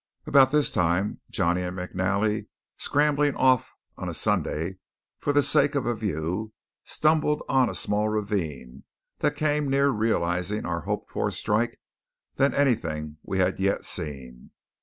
About this time Johnny and McNally, scrambling of a Sunday for the sake of a view, stumbled on a small ravine that came nearer realizing our hoped for strike than anything we had yet seen.